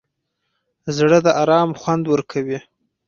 زړه د ارام خوند ورکوي.